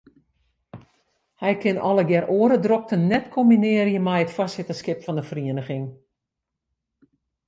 Hij kin allegear oare drokten net kombinearje mei it foarsitterskip fan 'e feriening.